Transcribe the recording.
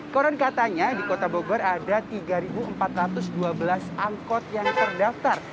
konon katanya di kota bogor ada tiga empat ratus dua belas angkot yang terdaftar